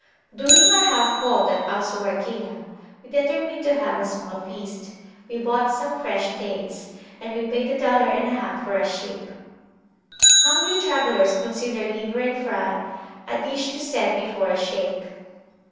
During our half halt at Al Suwayrkiyah we determined to have a small feast; we bought some fresh dates, and we paid a dollar and a half for a sheep. Hungry travellers consider liver and fry a dish to set before a Shaykh.